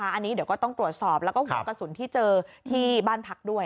อันนี้เดี๋ยวก็ต้องตรวจสอบแล้วก็หัวกระสุนที่เจอที่บ้านพักด้วย